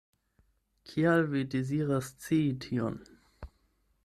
Kial vi deziras scii tion?